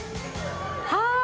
はい。